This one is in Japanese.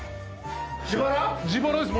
自腹です